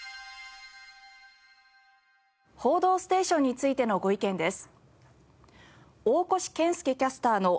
『報道ステーション』についてのご意見です。